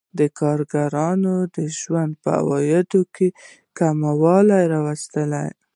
د کارګرانو د ژوند په عوایدو کې کموالی راوستل